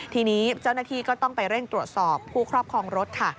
ทีนี้เจ้าหน้าที่ก็ต้องไปเร่งตรวจสอบผู้ครอบครองรถค่ะ